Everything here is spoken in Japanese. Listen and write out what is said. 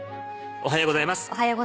おはようございます。